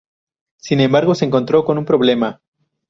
Sin embargo, se encontró con un problema.